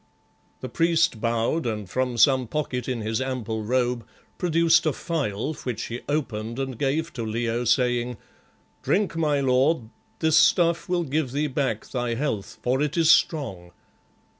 The priest bowed, and from some pocket in his ample robe produced a phial which he opened and gave to Leo, saying "Drink, my lord; this stuff will give thee back thy health, for it is strong."